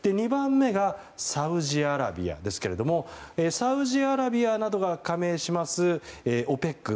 ２番目がサウジアラビアですがサウジアラビアなどが加盟します